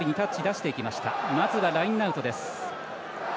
まずはラインアウトです。